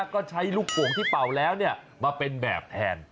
ก็ใช้ลูกโป่งที่เป่าแล้วมาเป็นแบบแทน